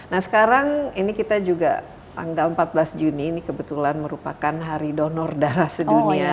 nah sekarang ini kita juga tanggal empat belas juni ini kebetulan merupakan hari donor darah sedunia